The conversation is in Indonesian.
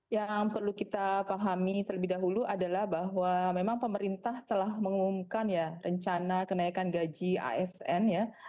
yang perlu kita pahami terlebih dahulu adalah bahwa memang pemerintah telah mengumumkan ya rencana kenaikan gaji asn ya